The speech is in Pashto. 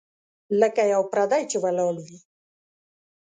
لکه یو پردی چي ولاړ وي .